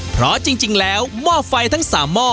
เพราะจริงแล้วหม้อไฟทั้ง๓หม้อ